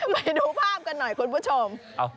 ไปดูภาพกันหน่อยคุณผู้ชม